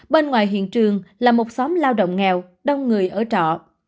bên ngoài hiện trường là một xóm lao động nghèo đông người ở trọ